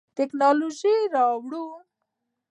تکنالوژي راوړو.